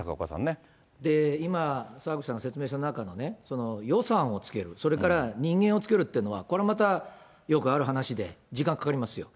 今、澤口さんが説明した中の予算をつける、それから人間をつけるっていうのは、これまたよくある話で、時間かかりますよ。